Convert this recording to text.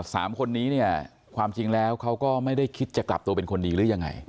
สามคนนี้เนี่ยความจริงแล้วเขาก็ไม่ได้คิดจะกลับตัวเป็นคนดีหรือยังไง